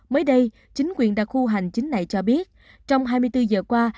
mới đây chính quyền đặc khu hành chính này cho biết trong hai mươi bốn giờ qua